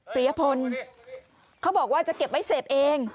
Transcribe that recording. ปียพลเขาบอกว่าจะเก็บไว้เสพเอง